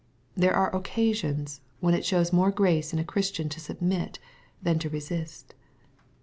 There are occasions, when it shows more grace in a Christian to submit than to resist.